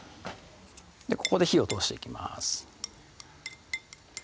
ここで火を通していきます